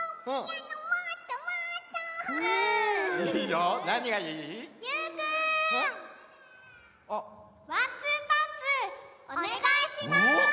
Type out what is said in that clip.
おねがいします！